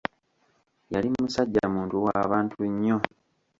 Yali musajja muntu wa bantu nnyo.